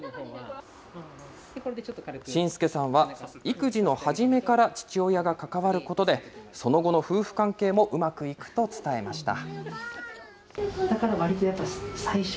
信介さんは、育児の初めから父親が関わることで、その後の夫婦関係もうまくいくと伝えました。